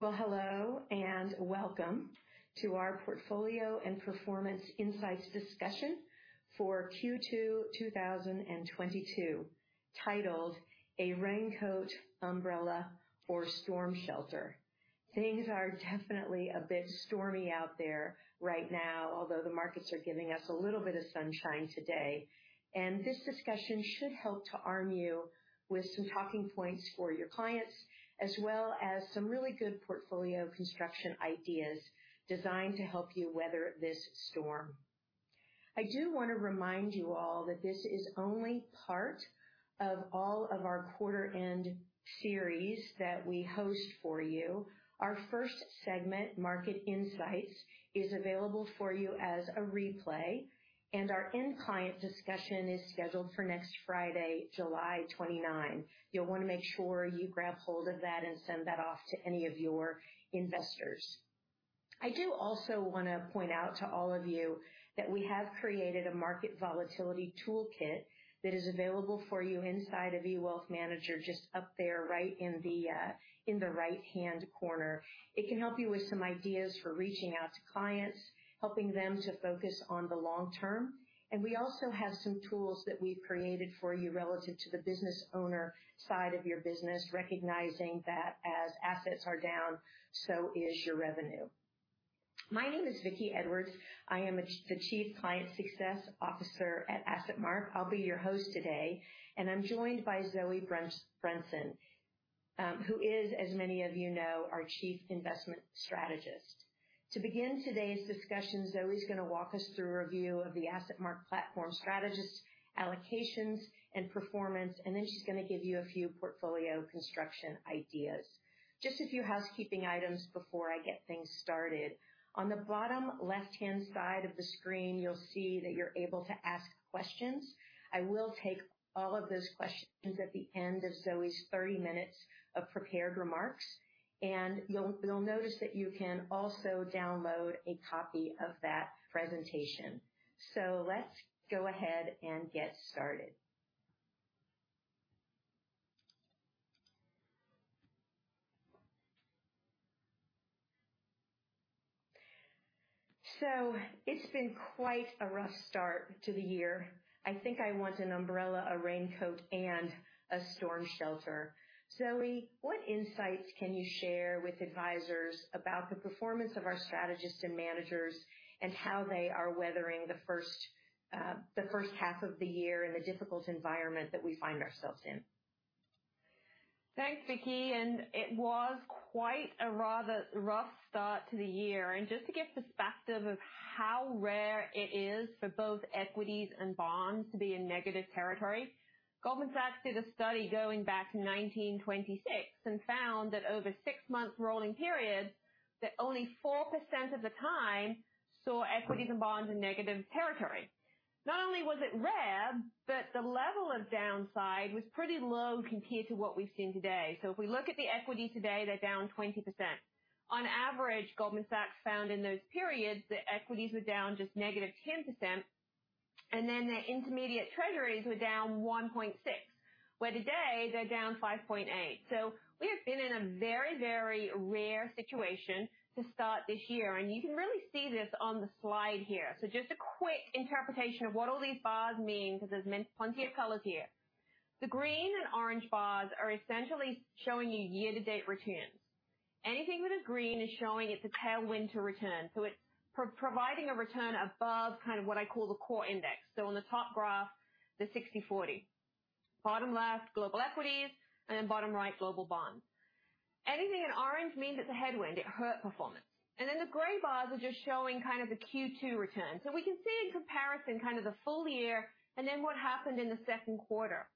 Well, hello, and welcome to our portfolio and performance insights discussion for Q2 2022, titled A Raincoat, Umbrella or Storm Shelter. Things are definitely a bit stormy out there right now, although the markets are giving us a little bit of sunshine today, and this discussion should help to arm you with some talking points for your clients, as well as some really good portfolio construction ideas designed to help you weather this storm. I do wanna remind you all that this is only part of all of our quarter end series that we host for you. Our first segment, Market Insights, is available for you as a replay, and our end client discussion is scheduled for next Friday, July 29. You'll wanna make sure you grab hold of that and send that off to any of your investors. I do also wanna point out to all of you that we have created a market volatility toolkit that is available for you inside of eWealthManager, just up there, right in the right hand corner. It can help you with some ideas for reaching out to clients, helping them to focus on the long term. We also have some tools that we've created for you relative to the business owner side of your business, recognizing that as assets are down, so is your revenue. My name is Vickie Edwards. I am the Chief Client Success Officer at AssetMark. I'll be your host today, and I'm joined by Zoë Brunson, who is, as many of you know, our Chief Investment Strategist. To begin today's discussion, Zoë's gonna walk us through a review of the AssetMark platform strategist allocations and performance, and then she's gonna give you a few portfolio construction ideas. Just a few housekeeping items before I get things started. On the bottom left-hand side of the screen, you'll see that you're able to ask questions. I will take all of those questions at the end of Zoë's 30 minutes of prepared remarks, and you'll notice that you can also download a copy of that presentation. Let's go ahead and get started. It's been quite a rough start to the year. I think I want an umbrella, a raincoat, and a storm shelter. Zoë, what insights can you share with advisors about the performance of our strategists and managers and how they are weathering the first half of the year in the difficult environment that we find ourselves in? Thanks, Vickie, it was quite a rather rough start to the year. Just to give perspective of how rare it is for both equities and bonds to be in negative territory, Goldman Sachs did a study going back to 1926 and found that over six months rolling periods, that only 4% of the time saw equities and bonds in negative territory. Not only was it rare, but the level of downside was pretty low compared to what we've seen today. If we look at the equities today, they're down 20%. On average, Goldman Sachs found in those periods that equities were down just -10%, and then their intermediate treasuries were down 1.6, where today they're down 5.8. We have been in a very, very rare situation to start this year, and you can really see this on the slide here. Just a quick interpretation of what all these bars mean, because there's plenty of colors here. The green and orange bars are essentially showing you year-to-date returns. Anything that is green is showing it's a tailwind to return, so it's providing a return above kind of what I call the core index. On the top graph, the 60/40. Bottom left, global equities, and then bottom right, global bonds. Anything in orange means it's a headwind, it hurt performance. Then the gray bars are just showing kind of the Q2 return. We can see in comparison kind of the full year and then what happened in the second quarter.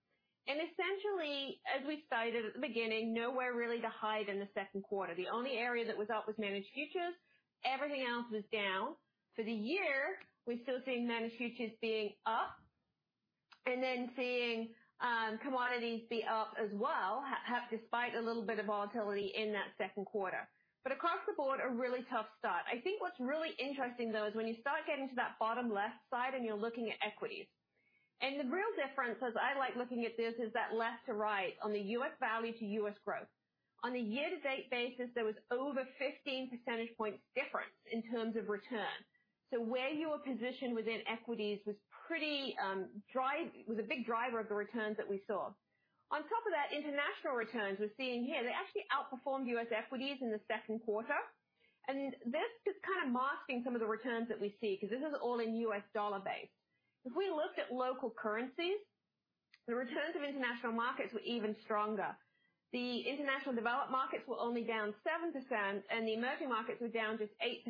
Essentially, as we stated at the beginning, nowhere really to hide in the second quarter. The only area that was up was managed futures. Everything else was down. For the year, we're still seeing managed futures being up and then seeing, commodities be up as well, despite a little bit of volatility in that second quarter. Across the board, a really tough start. I think what's really interesting, though, is when you start getting to that bottom left side and you're looking at equities. The real difference, as I like looking at this, is that left to right on the U.S. value to U.S. growth. On the year-to-date basis, there was over 15 percentage points difference in terms of return. Where you were positioned within equities was a pretty big driver of the returns that we saw. On top of that, international returns we're seeing here, they actually outperformed U.S. equities in the second quarter. That's just kind of masking some of the returns that we see, because this is all in U.S. dollar basis. If we looked at local currencies, the returns of international markets were even stronger. The international developed markets were only down 7%, and the emerging markets were down just 8%.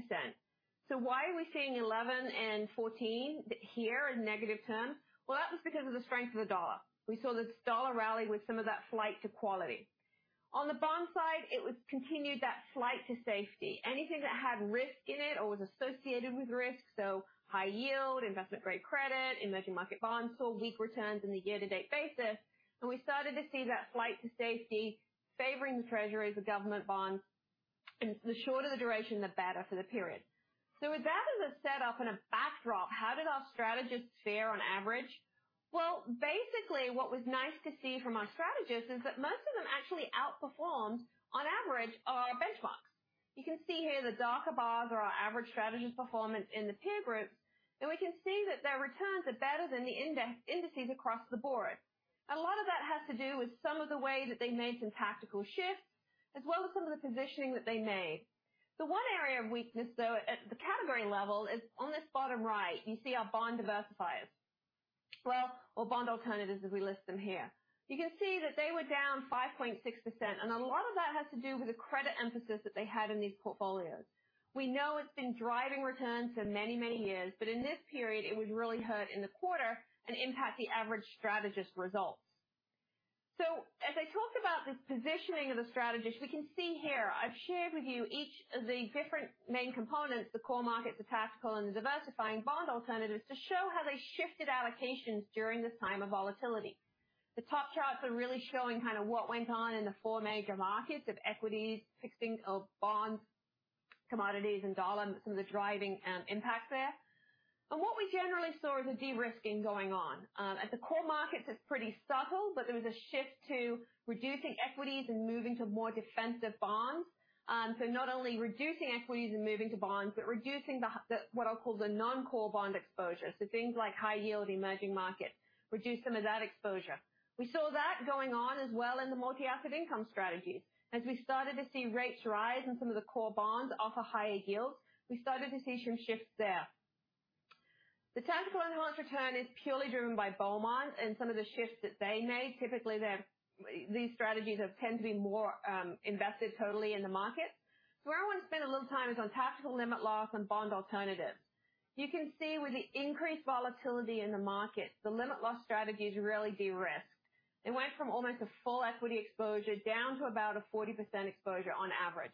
Why are we seeing 11 and 14 here in negative terms? Well, that was because of the strength of the dollar. We saw this dollar rally with some of that flight to quality. On the bond side, it was continued that flight to safety. Anything that had risk in it or was associated with risk, so high yield, investment-grade credit, emerging market bonds, saw weak returns in the year-to-date basis. We started to see that flight to safety favoring the treasuries of government bonds, and the shorter the duration, the better for the period. With that as a setup and a backdrop, how did our strategists fare on average? Well, basically what was nice to see from our strategists is that most of them actually outperformed on average, our benchmarks. You can see here the darker bars are our average strategist performance in the peer groups, and we can see that their returns are better than the index indices across the board. A lot of that has to do with some of the ways that they made some tactical shifts, as well as some of the positioning that they made. The one area of weakness, though, at the category level is on this bottom right, you see our bond diversifiers. Well, our bond alternatives as we list them here. You can see that they were down 5.6% and a lot of that has to do with the credit emphasis that they had in these portfolios. We know it's been driving returns for many, many years, but in this period, it was really hurt in the quarter and impact the average strategist results. As I talk about the positioning of the strategist, we can see here I've shared with you each of the different main components, the core markets, the tactical and the diversifying bond alternatives to show how they shifted allocations during this time of volatility. The top charts are really showing kind of what went on in the four major markets of equities, fixed income bonds, commodities and dollar, some of the driving impact there. What we generally saw is a de-risking going on. At the core markets it's pretty subtle, but there was a shift to reducing equities and moving to more defensive bonds. Not only reducing equities and moving to bonds, but reducing the what I'll call the non-core bond exposure. Things like high yield emerging markets, reduce some of that exposure. We saw that going on as well in the multi-asset income strategies. As we started to see rates rise and some of the core bonds offer higher yields, we started to see some shifts there. The tactical enhanced return is purely driven by Beaumont and some of the shifts that they made. Typically, their these strategies have tend to be more invested totally in the market. Where I want to spend a little time is on tactical limit loss and bond alternatives. You can see with the increased volatility in the market, the limited loss strategies really de-risked. It went from almost a full equity exposure down to about a 40% exposure on average.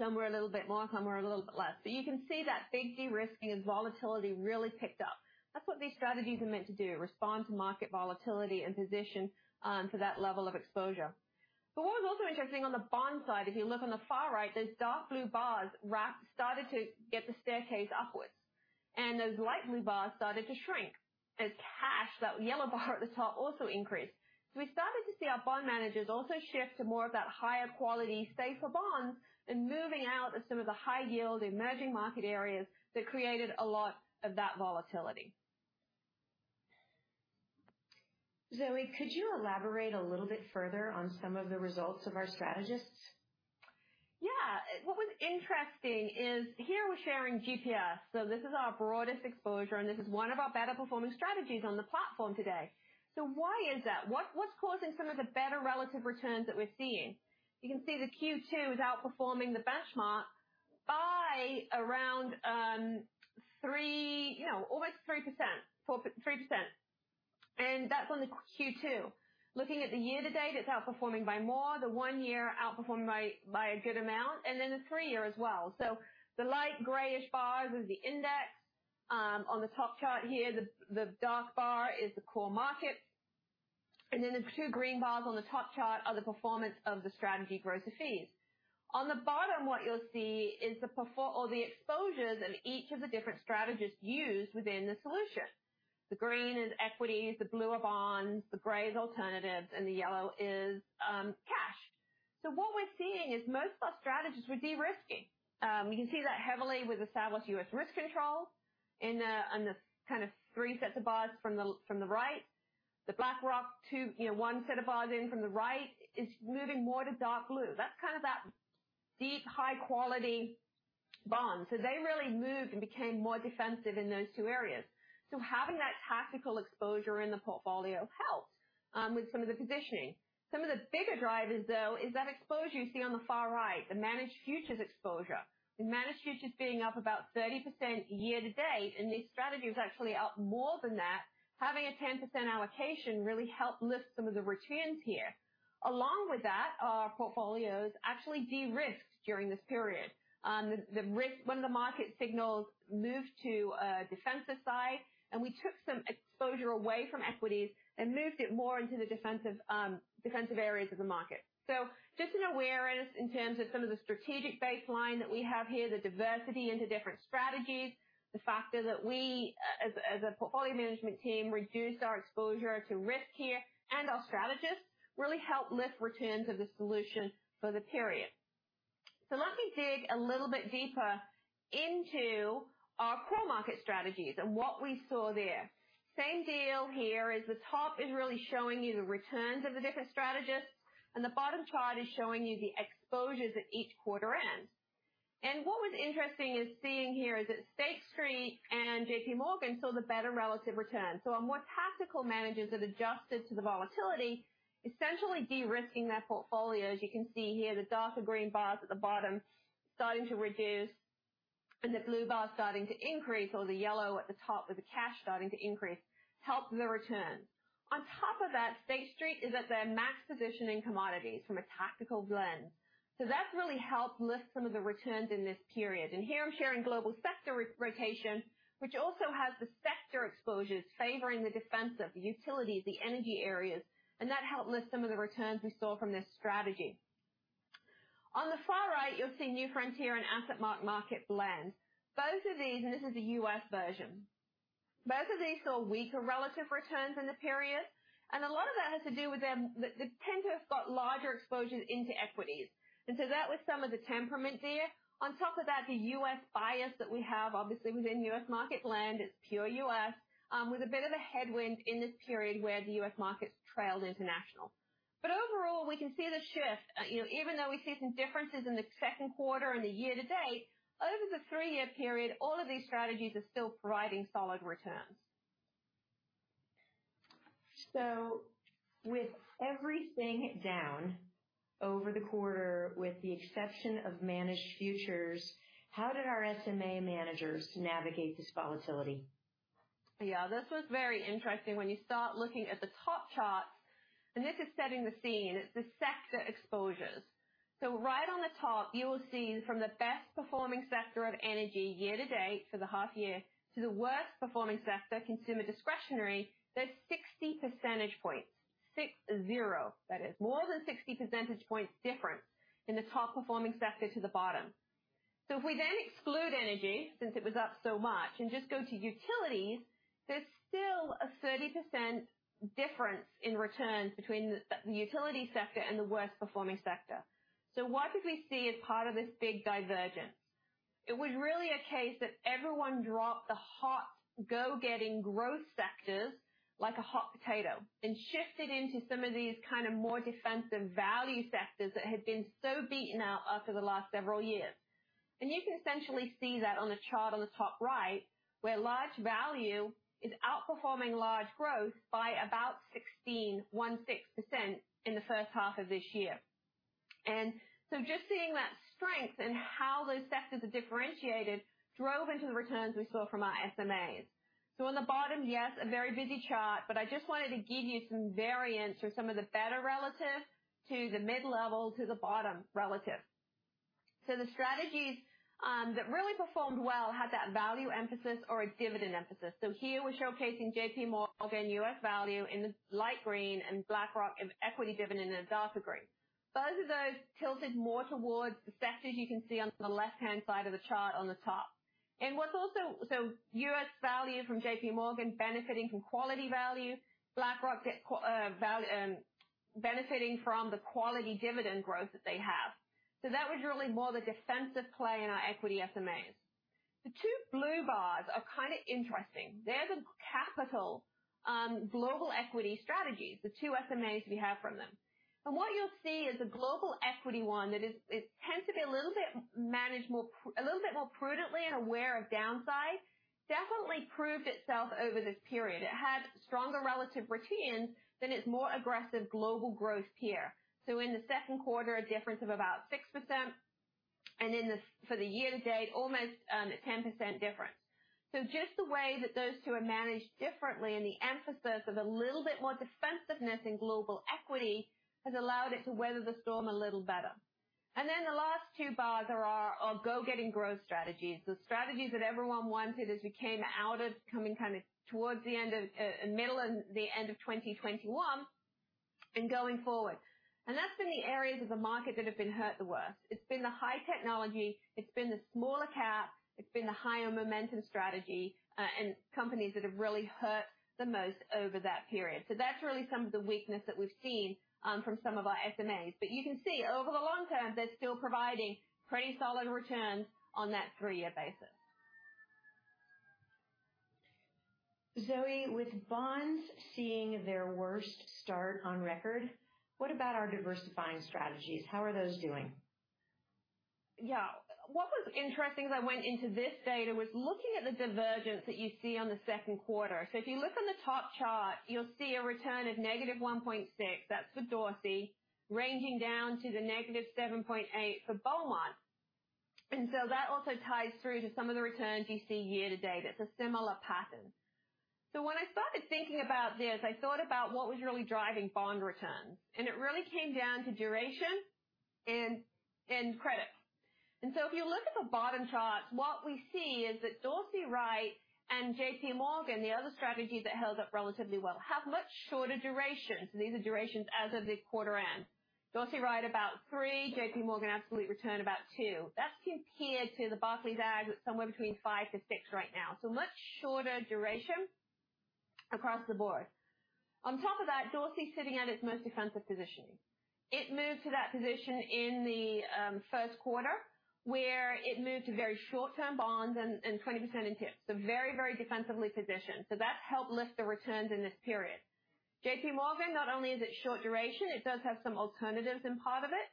Some were a little bit more, some were a little bit less. You can see that big de-risking and volatility really picked up. That's what these strategies are meant to do, respond to market volatility and position for that level of exposure. What was also interesting on the bond side, if you look on the far right, those dark blue bars ramped, started to get the staircase upwards. Those light blue bars started to shrink. Cash, that yellow bar at the top, also increased. We started to see our bond managers also shift to more of that higher quality, safer bonds and moving out of some of the high yield emerging market areas that created a lot of that volatility. Zoë, could you elaborate a little bit further on some of the results of our strategists? Yeah. What was interesting is here we're sharing GPS. This is our broadest exposure, and this is one of our better performing strategies on the platform today. Why is that? What's causing some of the better relative returns that we're seeing? You can see the Q2 is outperforming the benchmark by around three, you know, almost 3% to 4%. That's on the Q2. Looking at the year to date, it's outperforming by more. The one year outperformed by a good amount, and then the three year as well. The light grayish bars is the index. On the top chart here, the dark bar is the core market. Then the two green bars on the top chart are the performance of the strategy gross of fees. On the bottom, what you'll see is the exposures of each of the different strategists used within the solution. The green is equities, the blue are bonds, the gray is alternatives, and the yellow is cash. What we're seeing is most of our strategists were de-risking. We can see that heavily with Atalanta Sosnoff U.S. Risk Control in the on the kind of three sets of bars from the right. The BlackRock, too, you know, one set of bars in from the right is moving more to dark blue. That's kind of that deep, high-quality bond. They really moved and became more defensive in those two areas. Having that tactical exposure in the portfolio helped with some of the positioning. Some of the bigger drivers though is that exposure you see on the far right, the managed futures exposure. The managed futures being up about 30% year to date, and these strategies actually up more than that. Having a 10% allocation really helped lift some of the returns here. Along with that, our portfolios actually de-risked during this period. The risk, one of the market signals moved to a defensive side, and we took some exposure away from equities and moved it more into the defensive areas of the market. Just an awareness in terms of some of the strategic baseline that we have here, the diversity into different strategies. The fact is that we as a portfolio management team, reduced our exposure to risk here, and our strategists really helped lift returns of the solution for the period. Let me dig a little bit deeper into our core market strategies and what we saw there. Same deal here is the top is really showing you the returns of the different strategists, and the bottom chart is showing you the exposures at each quarter end. What was interesting is seeing here is that State Street and JP Morgan saw the better relative returns. Our more tactical managers that adjusted to the volatility, essentially de-risking their portfolios. You can see here the darker green bars at the bottom starting to reduce, and the blue bars starting to increase, or the yellow at the top with the cash starting to increase, helped the return. On top of that, State Street is at their max position in commodities from a tactical blend. That really helped lift some of the returns in this period. Here I'm sharing Global Sector Rotation, which also has the sector exposures favoring the defensive utilities, the energy areas. That helped lift some of the returns we saw from this strategy. On the far right, you'll see New Frontier and AssetMark Market Blend. Both of these, and this is the US version, saw weaker relative returns in the period. A lot of that has to do with them, they tend to have got larger exposure into equities. That was some of the temperament there. On top of that, the US bias that we have obviously within US Market Blend, it's pure US, with a bit of a headwind in this period where the US markets trailed international. Overall, we can see the shift. Even though we see some differences in the second quarter and the year to date, over the three-year period, all of these strategies are still providing solid returns. With everything down over the quarter, with the exception of managed futures, how did our SMA managers navigate this volatility? Yeah, this was very interesting when you start looking at the top charts, and this is setting the scene, it's the sector exposures. Right on the top you will see from the best performing sector of Energy year to date for the half year, to the worst performing sector, Consumer Discretionary, there's 60 percentage points. 60, that is more than 60 percentage points difference in the top performing sector to the bottom. If we then exclude Energy since it was up so much and just go to Utilities, there's still a 30% difference in returns between the utility sector and the worst performing sector. What did we see as part of this big divergence? It was really a case that everyone dropped the hot, go-getting growth sectors like a hot potato and shifted into some of these kind of more defensive value sectors that had been so beaten down over the last several years. You can essentially see that on the chart on the top right, where large value is outperforming large growth by about 16.1% in the first half of this year. Just seeing that strength and how those sectors are differentiated drove into the returns we saw from our SMAs. On the bottom, yes, a very busy chart, but I just wanted to give you some variance from some of the better relative to the mid-level to the bottom relative. The strategies that really performed well had that value emphasis or a dividend emphasis. Here we're showcasing JPMorgan U.S. Value in the light green and BlackRock Equity Dividend in the darker green. Both of those tilted more towards the sectors you can see on the left-hand side of the chart on the top. What's also U.S. Value from JPMorgan benefiting from quality value, BlackRock benefiting from the quality dividend growth that they have. That was really more the defensive play in our equity SMAs. The two blue bars are kind of interesting. They're the Capital Group Global Equity strategies, the two SMAs we have from them. What you'll see is the global equity one that is, it tends to be a little bit managed a little bit more prudently and aware of downside, definitely proved itself over this period. It had stronger relative returns than its more aggressive global growth peer. In the second quarter, a difference of about 6% and for the year to date, almost 10% difference. Just the way that those two are managed differently and the emphasis of a little bit more defensiveness in global equity has allowed it to weather the storm a little better. Then the last two bars are our go-getting growth strategies. The strategies that everyone wanted as we came out of COVID kind of towards the end of middle and the end of 2021 and going forward. That's been the areas of the market that have been hurt the worst. It's been the high technology, it's been the small-cap, it's been the higher momentum strategy, and companies that have really hurt the most over that period. That's really some of the weakness that we've seen from some of our SMAs. You can see over the long term, they're still providing pretty solid returns on that three-year basis. Zoë, with bonds seeing their worst start on record, what about our diversifying strategies? How are those doing? Yeah. What was interesting as I went into this data was looking at the divergence that you see on the second quarter. If you look on the top chart, you'll see a return of -1.6%, that's for Dorsey, ranging down to the -7.8% for Beaumont. That also ties through to some of the returns you see year to date. It's a similar pattern. When I started thinking about this, I thought about what was really driving bond returns, and it really came down to duration and credit. If you look at the bottom chart, what we see is that Dorsey Wright and JP Morgan, the other strategy that held up relatively well, have much shorter durations. These are durations as of the quarter end. Dorsey Wright about 3, JP Morgan Absolute Return about 2. That's compared to the Barclays Agg with somewhere between 5 to 6 right now. Much shorter duration across the board. On top of that, Dorsey Wright sitting at its most defensive positioning. It moved to that position in the first quarter, where it moved to very short-term bonds and 20% in TIPS. Very defensively positioned. That's helped lift the returns in this period. JP Morgan, not only is it short duration, it does have some alternatives in part of it.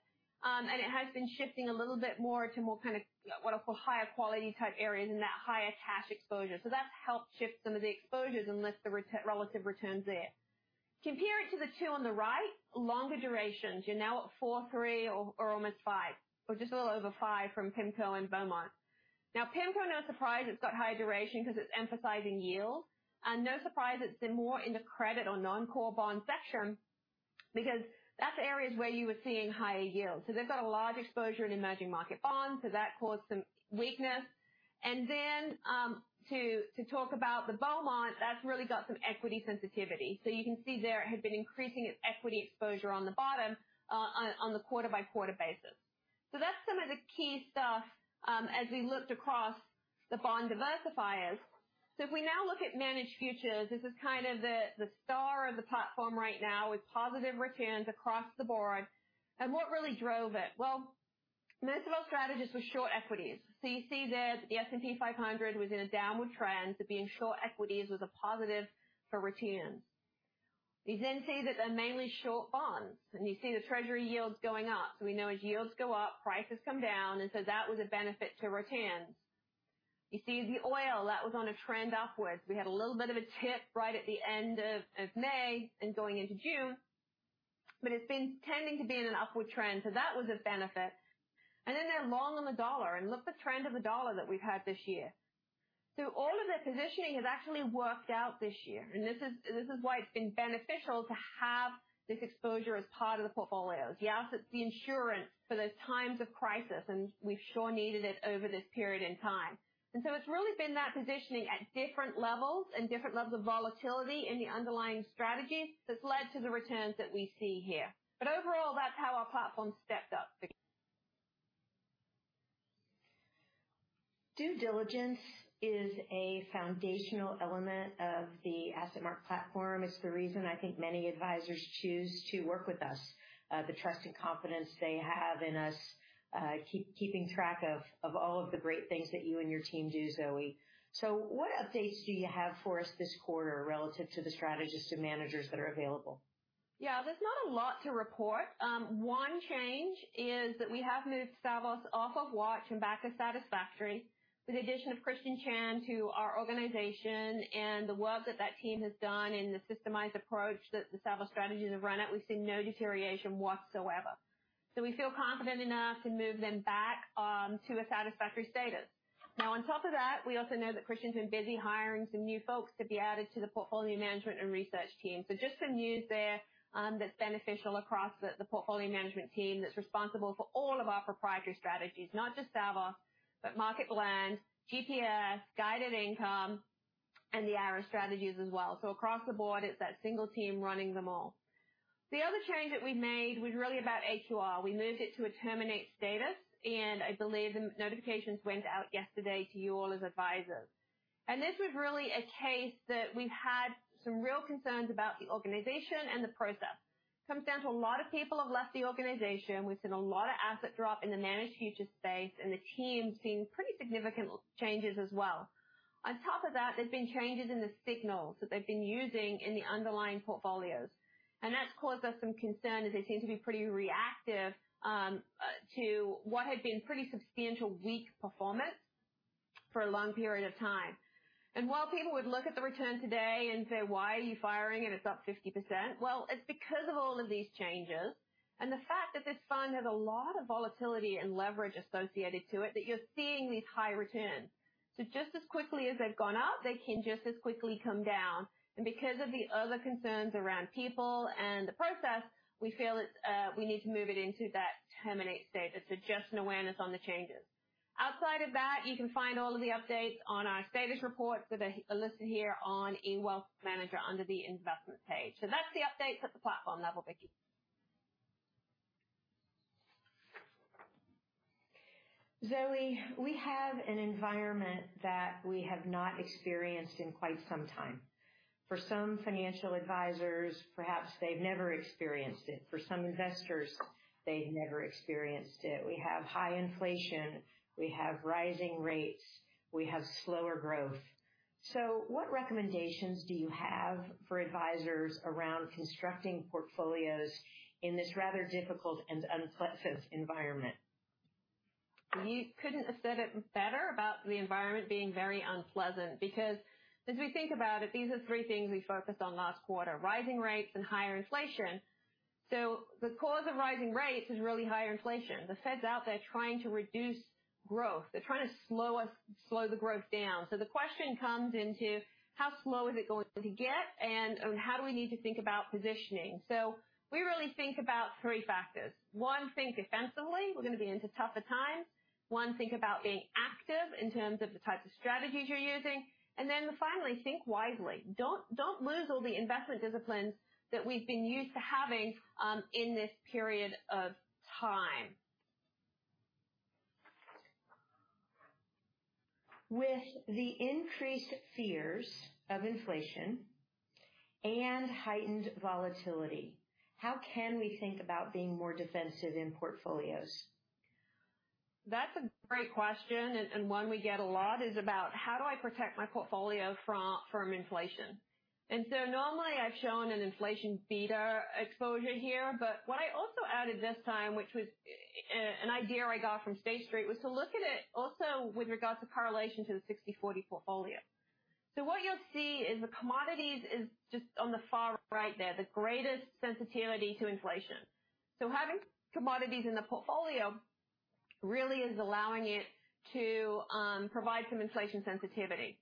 It has been shifting a little bit more to more kind of what I call higher quality type areas and that higher cash exposure. That's helped shift some of the exposures and lift the relative returns there. Compare it to the two on the right, longer durations, you're now at 4, 3 or almost 5, or just a little over 5 from PIMCO and Beaumont. Now PIMCO, no surprise, it's got higher duration 'cause it's emphasizing yield. No surprise it's been more in the credit or non-core bond section because that's areas where you were seeing higher yields. They've got a large exposure in emerging market bonds. So that caused some weakness. Then to talk about the Beaumont, that's really got some equity sensitivity. You can see there it has been increasing its equity exposure on the bottom on the quarter by quarter basis. That's some of the key stuff as we looked across the bond diversifiers. If we now look at managed futures, this is kind of the star of the platform right now with positive returns across the board. What really drove it? Well, most of our strategies were short equities. You see there that the S&P 500 was in a downward trend. Being short equities was a positive for returns. You then see that they're mainly short bonds, and you see the treasury yields going up. We know as yields go up, prices come down, and so that was a benefit to returns. You see the oil that was on a trend upwards. We had a little bit of a dip right at the end of May and going into June, but it's been tending to be in an upward trend. That was a benefit. Then they're long on the dollar. Look at the trend of the US dollar that we've had this year. All of the positioning has actually worked out this year, and this is why it's been beneficial to have this exposure as part of the portfolios. Yes, it's the insurance for those times of crisis, and we sure needed it over this period in time. It's really been that positioning at different levels and different levels of volatility in the underlying strategies that's led to the returns that we see here. Overall, that's how our platform stepped up, Vicki. Due diligence is a foundational element of the AssetMark platform. It's the reason I think many advisors choose to work with us. The trust and confidence they have in us, keeping track of all of the great things that you and your team do, Zoë. What updates do you have for us this quarter relative to the strategists and managers that are available? Yeah, there's not a lot to report. One change is that we have moved Savos off of watch and back to satisfactory. With the addition of Christian Chan to our organization and the work that that team has done and the systemized approach that the Savos strategies have run at, we've seen no deterioration whatsoever. We feel confident enough to move them back to a satisfactory status. Now, on top of that, we also know that Christian's been busy hiring some new folks to be added to the portfolio management and research team. Just some news there, that's beneficial across the portfolio management team that's responsible for all of our proprietary strategies, not just Savos, but Market Blend, GPS, Guided Income, and the ArrowMark strategies as well. Across the board, it's that single team running them all. The other change that we made was really about AQR. We moved it to a terminate status, and I believe the notifications went out yesterday to you all as advisors. This was really a case that we've had some real concerns about the organization and the process. It comes down to a lot of people have left the organization. We've seen a lot of asset drop in the managed futures space, and the team's seen pretty significant changes as well. On top of that, there's been changes in the signals that they've been using in the underlying portfolios, and that's caused us some concern as they seem to be pretty reactive to what had been pretty substantially weak performance for a long period of time. While people would look at the return today and say, "Why are you firing it? It's up 50%." Well, it's because of all of these changes and the fact that this fund has a lot of volatility and leverage associated to it that you're seeing these high returns. Just as quickly as they've gone up, they can just as quickly come down. Because of the other concerns around people and the process, we feel it's, we need to move it into that terminate status. Just an awareness on the changes. Outside of that, you can find all of the updates on our status reports that are listed here on eWealthManager under the investment page. That's the updates at the platform level, Vicki. Zoë, we have an environment that we have not experienced in quite some time. For some financial advisors, perhaps they've never experienced it. For some investors, they've never experienced it. We have high inflation. We have rising rates. We have slower growth. What recommendations do you have for advisors around constructing portfolios in this rather difficult and unpleasant environment? You couldn't have said it better about the environment being very unpleasant because as we think about it, these are three things we focused on last quarter. Rising rates and higher inflation. The cause of rising rates is really higher inflation. The Fed's out there trying to reduce growth. They're trying to slow the growth down. The question comes into how slow is it going to get and how do we need to think about positioning. We really think about three factors. One, think defensively. We're gonna be into tougher times. One, think about being active in terms of the types of strategies you're using. Then finally, think wisely. Don't lose all the investment disciplines that we've been used to having in this period of time. With the increased fears of inflation and heightened volatility, how can we think about being more defensive in portfolios? That's a great question, and one we get a lot is about how do I protect my portfolio from inflation. Normally, I've shown an inflation beta exposure here, but what I also added this time, which was an idea I got from State Street, was to look at it also with regards to correlation to the 60/40 portfolio. What you'll see is the commodities is just on the far right there, the greatest sensitivity to inflation. Having commodities in the portfolio really is allowing it to provide some inflation sensitivity.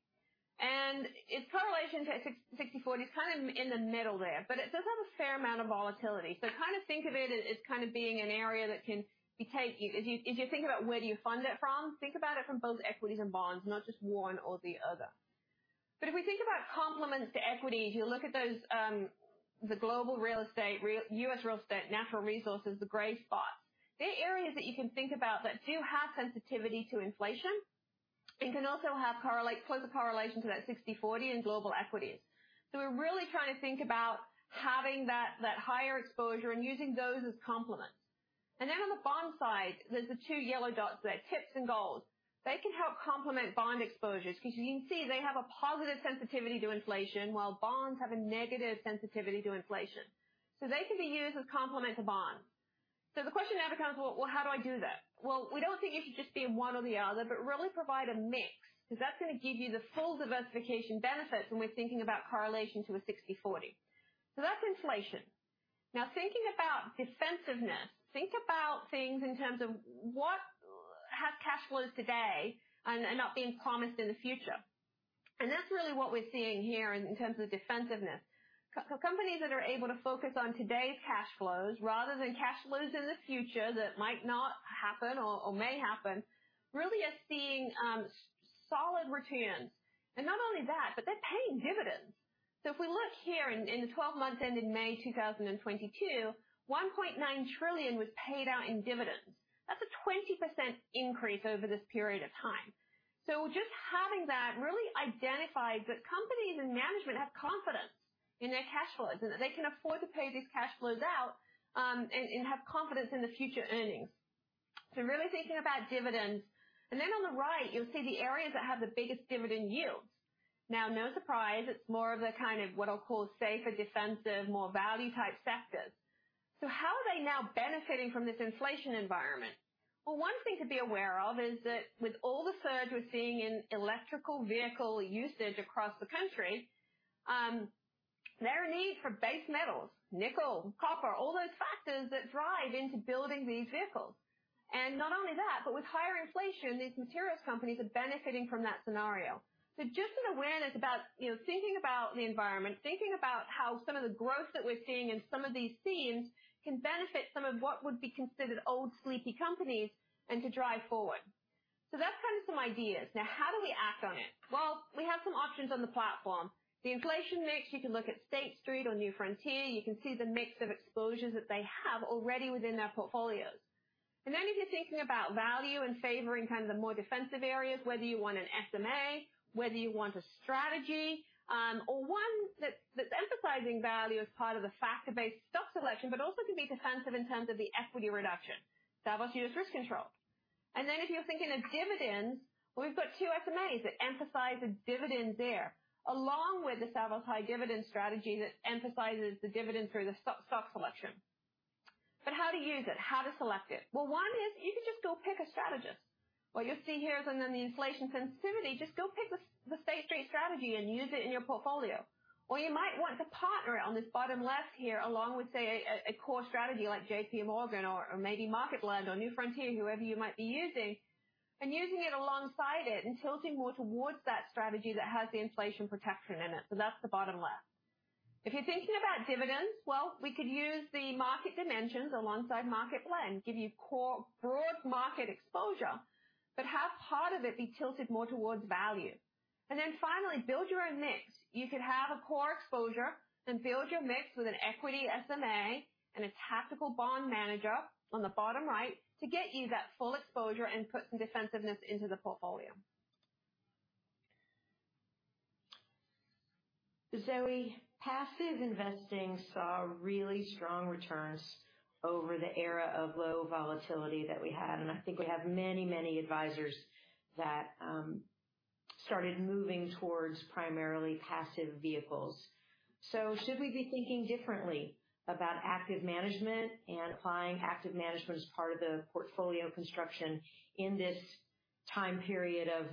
Its correlation to 60/40 is kind of in the middle there, but it does have a fair amount of volatility. Kind of think of it as kind of being an area that can be take you. If you think about where do you fund it from, think about it from both equities and bonds, not just one or the other. If we think about complements to equities, you look at those, the global real estate, US real estate, natural resources, the gray spots. They're areas that you can think about that do have sensitivity to inflation and can also have closer correlation to that 60/40 in global equities. We're really trying to think about having that higher exposure and using those as complements. Then on the bond side, there's the two yellow dots there, TIPS and gold. They can help complement bond exposures. Because you can see they have a positive sensitivity to inflation, while bonds have a negative sensitivity to inflation. They can be used as complement to bonds. The question now becomes, well, how do I do that? Well, we don't think it should just be one or the other, but really provide a mix, because that's gonna give you the full diversification benefits when we're thinking about correlation to a 60/40. That's inflation. Now thinking about defensiveness, think about things in terms of what has cash flows today and not being promised in the future. And that's really what we're seeing here in terms of defensiveness. Companies that are able to focus on today's cash flows rather than cash flows in the future that might not happen or may happen, really is seeing solid returns. And not only that, but they're paying dividends. If we look here in the 12 months ending May 2022, $1.9 trillion was paid out in dividends. That's a 20% increase over this period of time. Just having that really identifies that companies and management have confidence in their cash flows, and that they can afford to pay these cash flows out, and have confidence in the future earnings. Really thinking about dividends. Then on the right, you'll see the areas that have the biggest dividend yields. Now, no surprise, it's more of the kind of what I'll call safer, defensive, more value type sectors. How are they now benefiting from this inflation environment? Well, one thing to be aware of is that with all the surge we're seeing in electric vehicle usage across the country, there's a need for base metals, nickel, copper, all those factors that drive into building these vehicles. Not only that, but with higher inflation, these materials companies are benefiting from that scenario. Just an awareness about, you know, thinking about the environment, thinking about how some of the growth that we're seeing in some of these themes can benefit some of what would be considered old sleepy companies and to drive forward. That's kind of some ideas. Now, how do we act on it? Well, we have some options on the platform. The inflation mix, you can look at State Street or New Frontier. You can see the mix of exposures that they have already within their portfolios. Then if you're thinking about value and favoring kind of the more defensive areas, whether you want an SMA, whether you want a strategy, or one that's emphasizing value as part of the factor-based stock selection, but also can be defensive in terms of the equity reduction. Savos uses risk control. Then if you're thinking of dividends, we've got two SMAs that emphasize the dividends there, along with the Savos high dividend strategy that emphasizes the dividends through the stock selection. How to use it, how to select it? Well, one is you can just go pick a strategist. What you'll see here is under the inflation sensitivity, just go pick the State Street strategy and use it in your portfolio. Or you might want to pair it on this bottom left here, along with, say, a core strategy like JP Morgan or maybe Market Blend or New Frontier, whoever you might be using. Using it alongside it and tilting more towards that strategy that has the inflation protection in it. That's the bottom left. If you're thinking about dividends, well, we could use the MarketDimensions alongside Market Blend, give you core broad market exposure, but have part of it be tilted more towards value. Then finally, build your own mix. You could have a core exposure and build your mix with an equity SMA and a tactical bond manager on the bottom right to get you that full exposure and put some defensiveness into the portfolio. Zoë, passive investing saw really strong returns over the era of low volatility that we had, and I think we have many, many advisors that started moving towards primarily passive vehicles. Should we be thinking differently about active management and applying active management as part of the portfolio construction in this time period of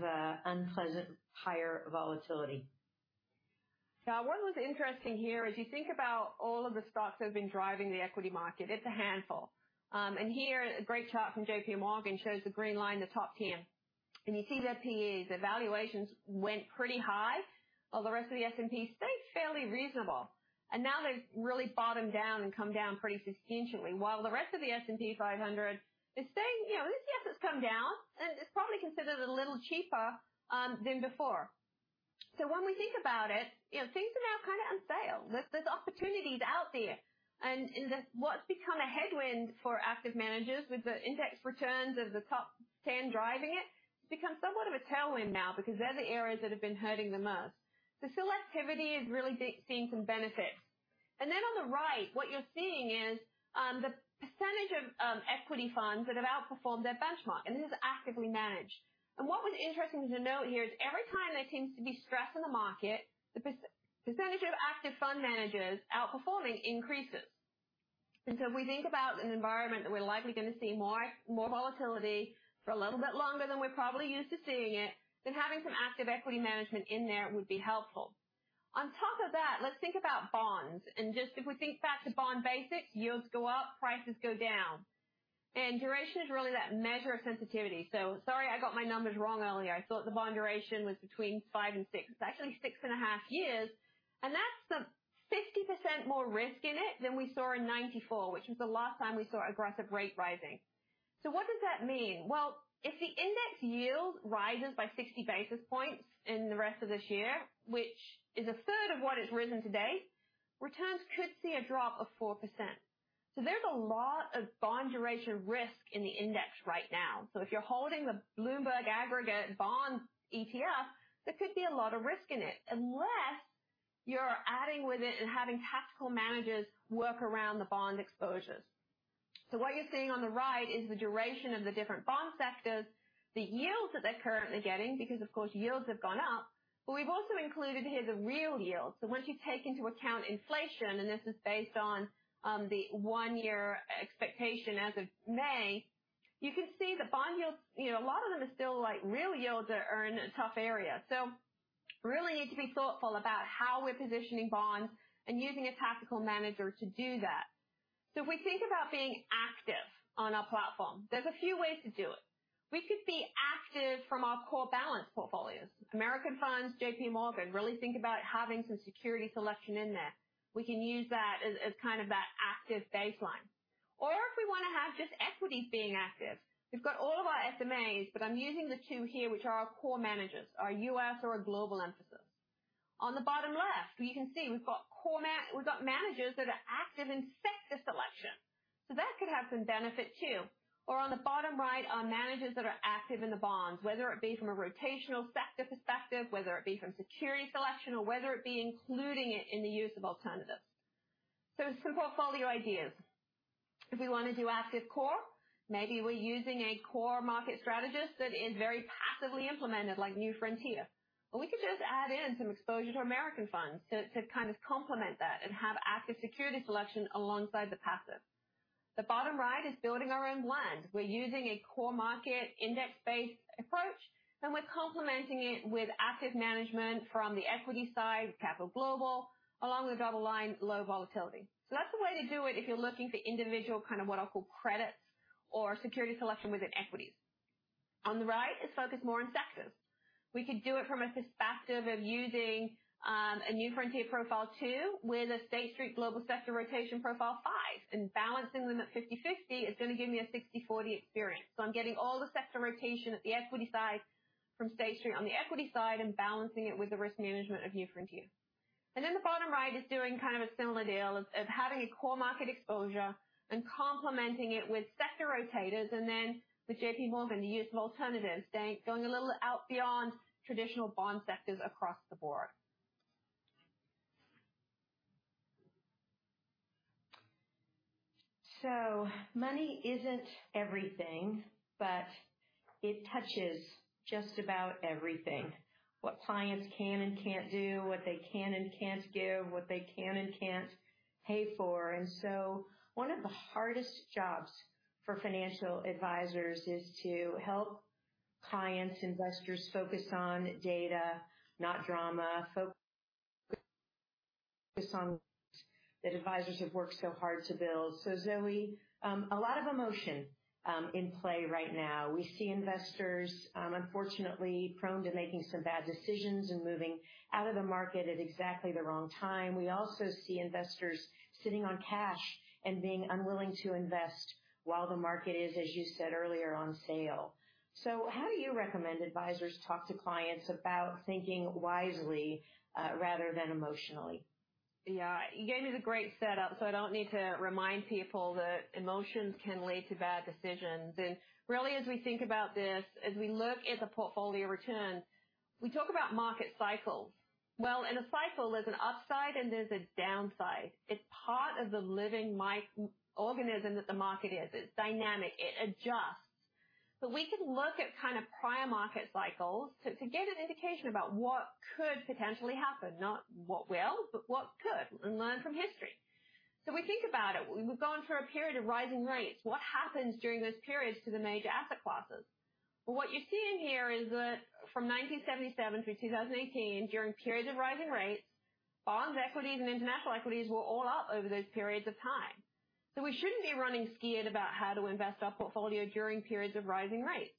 unpleasant higher volatility? Now, what was interesting here is you think about all of the stocks that have been driving the equity market. It's a handful. Here's a great chart from J.P. Morgan shows the green line, the top 10, and you see their P/Es, their valuations went pretty high while the rest of the S&P 500 stayed fairly reasonable. Now they've really bottomed out and come down pretty substantially. While the rest of the S&P 500 is staying, you know, yes, it's come down and it's probably considered a little cheaper than before. When we think about it, you know, things are now kind of on sale. There's opportunities out there. In the What's become a headwind for active managers with the index returns of the top 10 driving it's become somewhat of a tailwind now because they're the areas that have been hurting the most. Selectivity is really big, seeing some benefits. On the right, what you're seeing is the percentage of equity funds that have outperformed their benchmark, and this is actively managed. What was interesting to note here is every time there seems to be stress in the market, the percentage of active fund managers outperforming increases. If we think about an environment that we're likely gonna see more volatility for a little bit longer than we're probably used to seeing it, then having some active equity management in there would be helpful. On top of that, let's think about bonds. Just if we think back to bond basics, yields go up, prices go down. Duration is really that measure of sensitivity. Sorry, I got my numbers wrong earlier. I thought the bond duration was between 5 and 6. It's actually 6.5 years, and that's the 60% more risk in it than we saw in 1994, which was the last time we saw aggressive rate rising. What does that mean? Well, if the index yield rises by 60 basis points in the rest of this year, which is a third of what it's risen today, returns could see a drop of 4%. There's a lot of bond duration risk in the index right now. If you're holding the Bloomberg Aggregate Bond ETF, there could be a lot of risk in it unless you're adding with it and having tactical managers work around the bond exposures. What you're seeing on the right is the duration of the different bond sectors, the yields that they're currently getting, because of course, yields have gone up. We've also included here the real yields. Once you take into account inflation, and this is based on the one-year expectation as of May, you can see the bond yields. You know, a lot of them are still like real yields are in a tough area. Really need to be thoughtful about how we're positioning bonds and using a tactical manager to do that. If we think about being active on our platform, there's a few ways to do it. We could be active from our core balanced portfolios. American Funds, JP Morgan, really think about having some security selection in there. We can use that as kind of that active baseline. If we want to have just equities being active, we've got all of our SMAs. I'm using the two here, which are our core managers, our U.S. or our global emphasis. On the bottom left, you can see we've got managers that are active in sector selection. That could have some benefit too. On the bottom right are managers that are active in the bonds, whether it be from a rotational sector perspective, whether it be from security selection or whether it be including it in the use of alternatives. Some portfolio ideas. If we want to do active core, maybe we're using a core market strategist that is very passively implemented, like New Frontier. We could just add in some exposure to American Funds to kind of complement that and have active security selection alongside the passive. The bottom right is building our own blend. We're using a core market index-based approach, and we're complementing it with active management from the equity side with Capital Group along with DoubleLine Low Duration. That's a way to do it if you're looking for individual kind of what I'll call credits or security selection within equities. On the right is focused more on sectors. We could do it from a perspective of using a New Frontier profile too, with a State Street Global Advisors Sector Rotation profile five and balancing them at 50/50 is going to give me a 60/40 experience. I'm getting all the sector rotation at the equity side from State Street on the equity side and balancing it with the risk management of New Frontier. The bottom right is doing kind of a similar deal of having a core market exposure and complementing it with sector rotators. With JP Morgan, the use of alternatives, they're going a little out beyond traditional bond sectors across the board. Money isn't everything, but it touches just about everything. What clients can and can't do, what they can and can't give, what they can and can't pay for. One of the hardest jobs for financial advisors is to help clients, investors focus on data, not drama, on the advisors have worked so hard to build. Zoë, a lot of emotion in play right now. We see investors, unfortunately prone to making some bad decisions and moving out of the market at exactly the wrong time. We also see investors sitting on cash and being unwilling to invest while the market is, as you said earlier, on sale. How do you recommend advisors talk to clients about thinking wisely, rather than emotionally? Yeah, you gave me the great setup, so I don't need to remind people that emotions can lead to bad decisions. Really, as we think about this, as we look at the portfolio returns, we talk about market cycles. Well, in a cycle there's an upside and there's a downside. It's part of the living microorganism that the market is. It's dynamic, it adjusts. We can look at kind of prior market cycles to get an indication about what could potentially happen, not what will, but what could, and learn from history. We think about it. We've gone through a period of rising rates. What happens during those periods to the major asset classes? What you're seeing here is that from 1977 through 2018, during periods of rising rates, bonds, equities and international equities were all up over those periods of time. We shouldn't be running scared about how to invest our portfolio during periods of rising rates.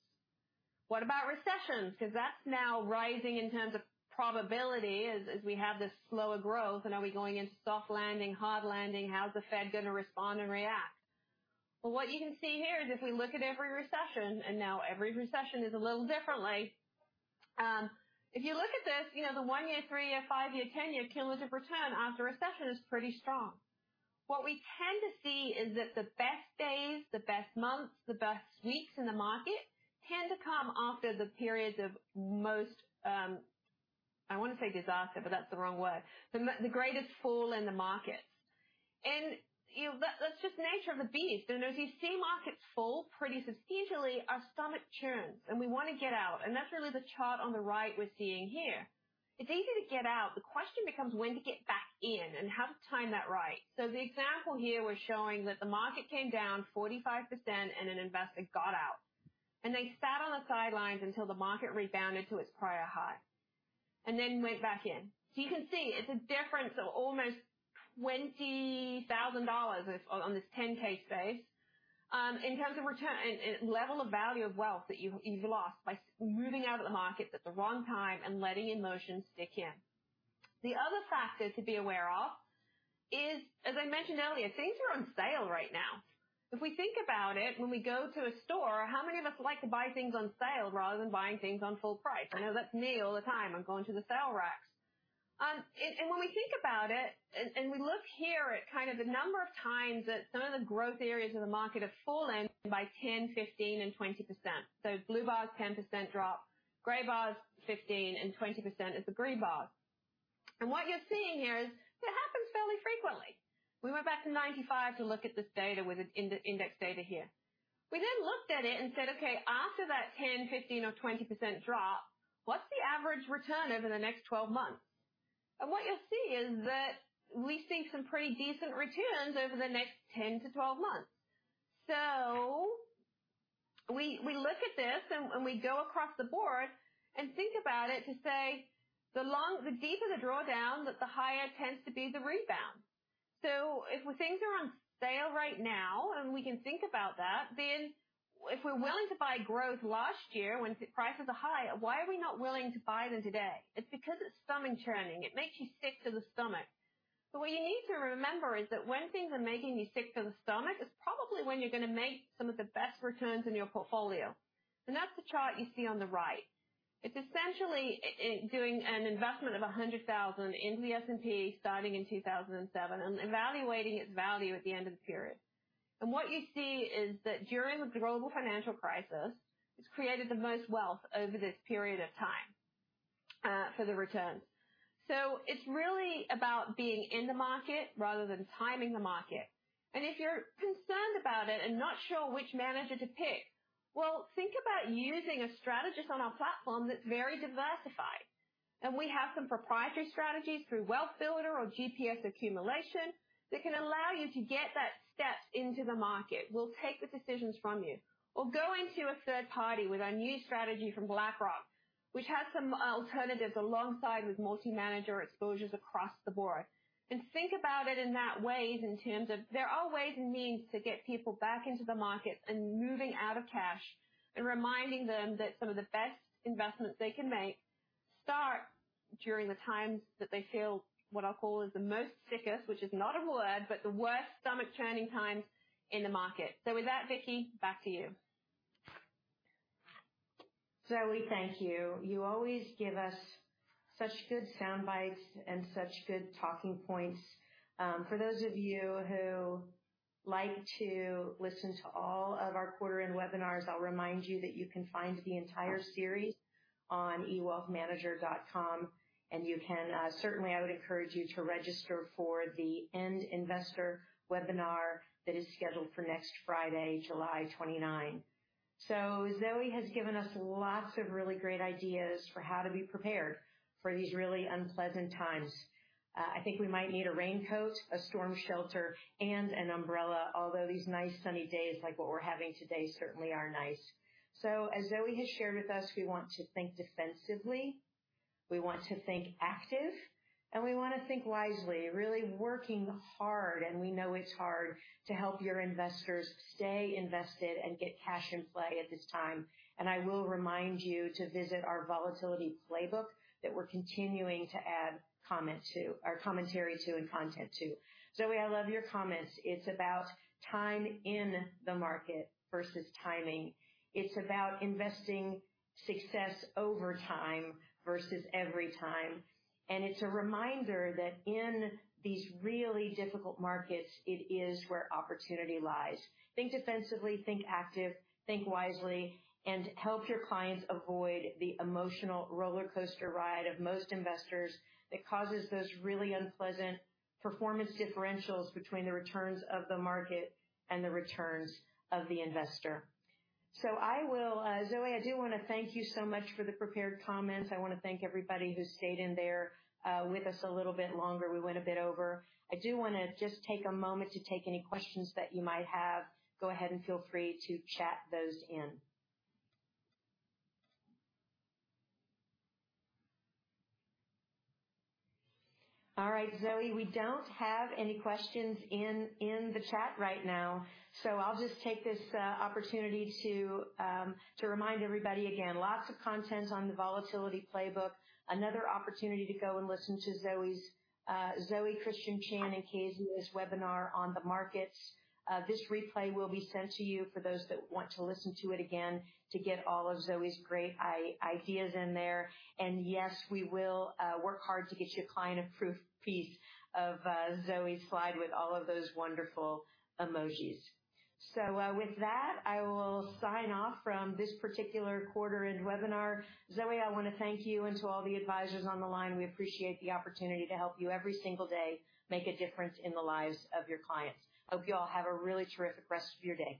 What about recessions? Because that's now rising in terms of probability as we have this slower growth. Are we going into soft landing, hard landing? How's the Fed going to respond and react? What you can see here is if we look at every recession, every recession is a little different. If you look at this, you know, the 1-year, 3-year, 5-year, 10-year cumulative return after a recession is pretty strong. What we tend to see is that the best days, the best months, the best weeks in the market tend to come after the periods of most, I want to say disaster, but that's the wrong word. The greatest fall in the markets. You know, that's just the nature of the beast. As you see markets fall pretty substantially, our stomach churns, and we want to get out. That's really the chart on the right we're seeing here. It's easy to get out. The question becomes when to get back in and how to time that right. The example here, we're showing that the market came down 45% and an investor got out, and they sat on the sidelines until the market rebounded to its prior high. Went back in. You can see it's a difference of almost $20,000 with on this 10K space. In terms of return and level of value of wealth that you've lost by moving out of the market at the wrong time and letting emotions kick in. The other factor to be aware of is, as I mentioned earlier, things are on sale right now. If we think about it, when we go to a store, how many of us like to buy things on sale rather than buying things on full price? I know that's me all the time. I'm going to the sale racks. When we think about it, we look here at kind of the number of times that some of the growth areas of the market have fallen by 10%, 15%, and 20%. Blue bar is 10% drop, gray bar is 15%, and 20% is the green bar. What you're seeing here is it happens fairly frequently. We went back to 1995 to look at this data with this index data here. We then looked at it and said, okay, after that 10%, 15% or 20% drop, what's the average return over the next 12 months? What you'll see is that we've seen some pretty decent returns over the next 10 to 12 months. We look at this and we go across the board and think about it to say, the deeper the drawdown, that the higher tends to be the rebound. If things are on sale right now, and we can think about that, then if we're willing to buy growth last year when prices are high, why are we not willing to buy them today? It's because it's stomach-churning. It makes you sick to the stomach. What you need to remember is that when things are making you sick to the stomach, it's probably when you're gonna make some of the best returns in your portfolio. That's the chart you see on the right. It's essentially in doing an investment of $100,000 into the S&P starting in 2007 and evaluating its value at the end of the period. What you see is that during the global financial crisis, it's created the most wealth over this period of time, for the returns. It's really about being in the market rather than timing the market. If you're concerned about it and not sure which manager to pick, well, think about using a strategist on our platform that's very diversified. We have some proprietary strategies through WealthBuilder or GPS Accumulation that can allow you to get that step into the market. We'll take the decisions from you. Go into a third party with our new strategy from BlackRock, which has some alternatives alongside with multi-manager exposures across the board. Think about it in that way in terms of there are ways and means to get people back into the market and moving out of cash and reminding them that some of the best investments they can make start during the times that they feel, what I'll call, is the most sickest, which is not a word, but the worst stomach-churning times in the market. With that, Vicki, back to you. Zoë, thank you. You always give us such good sound bites and such good talking points. For those of you who like to listen to all of our quarter end webinars, I'll remind you that you can find the entire series on ewealthmanager.com, and you can certainly, I would encourage you to register for the End Investor webinar that is scheduled for next Friday, July 29. Zoë has given us lots of really great ideas for how to be prepared for these really unpleasant times. I think we might need a raincoat, a storm shelter, and an umbrella. Although these nice sunny days, like what we're having today, certainly are nice. As Zoë has shared with us, we want to think defensively, we want to think active, and we wanna think wisely, really working hard, and we know it's hard, to help your investors stay invested and get cash in play at this time. I will remind you to visit our Volatility Playbook that we're continuing to add comment to or commentary to and content to. Zoë, I love your comments. It's about time in the market versus timing. It's about investing success over time versus every time. It's a reminder that in these really difficult markets, it is where opportunity lies. Think defensively, think active, think wisely, and help your clients avoid the emotional rollercoaster ride of most investors that causes those really unpleasant performance differentials between the returns of the market and the returns of the investor. I will... Zoë, I do wanna thank you so much for the prepared comments. I wanna thank everybody who stayed in there with us a little bit longer. We went a bit over. I do wanna just take a moment to take any questions that you might have. Go ahead and feel free to chat those in. All right, Zoë, we don't have any questions in the chat right now, so I'll just take this opportunity to remind everybody again, lots of content on the Volatility Playbook. Another opportunity to go and listen to Zoë's, Christian Chan, and Kasey's webinar on the markets. This replay will be sent to you for those that want to listen to it again, to get all of Zoë's great ideas in there. Yes, we will work hard to get you a client-approved piece of Zoë's slide with all of those wonderful emojis. With that, I will sign off from this particular quarter end webinar. Zoë, I wanna thank you and to all the advisors on the line, we appreciate the opportunity to help you every single day make a difference in the lives of your clients. Hope you all have a really terrific rest of your day.